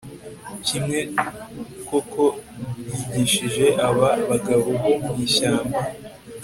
Kimwe coco yigishije aba bagabo bo mwishyamba